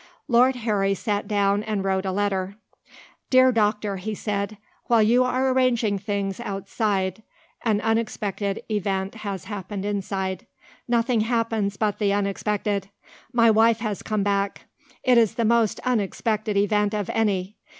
Lord Harry sat down and wrote a letter. "Dear Doctor," he said, "while you are arranging things outside an unexpected event has happened inside. Nothing happens but the unexpected. My wife has come back. It is the most unexpected event of any.